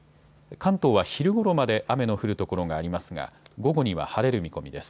関東は昼ごろまで雨の降る所がありますが午後には晴れる見込みです。